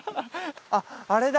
あっあれだ！